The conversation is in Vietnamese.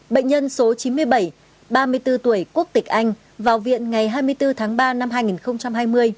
bệnh nhân số chín mươi bảy ba mươi bốn tuổi quốc tịch anh vào viện ngày hai mươi bốn tháng ba năm hai nghìn hai mươi